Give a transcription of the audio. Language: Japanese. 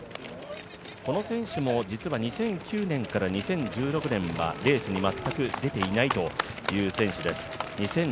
この選手も実は２００９年から２０１６年は全くレースに出ていないという選手です。